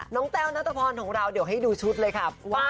น้องแฟลว์นัตรพรของเราเกี่ยวให้ดูชุดเลยค่ะ